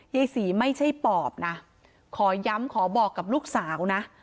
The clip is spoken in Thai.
ยายศรีไม่ใช่ปอบนะขอย้ำขอบอกกับลูกสาวนะ